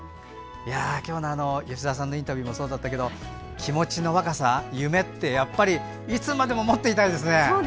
今日の吉澤さんのインタビューもそうだったけど気持ちの若さ、夢ってやっぱりいつまでも持っていたいですね。